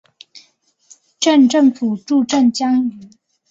镇政府驻镇江圩。